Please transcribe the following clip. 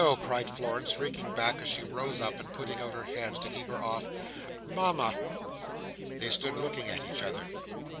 cried Florence, shrinking back as she rose up and putting out her hands to keep her off. "Mama!" They stood looking at each other.